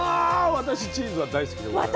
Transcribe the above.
私チーズは大好きでございます。